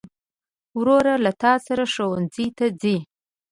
ورور له تا سره ښوونځي ته ځي.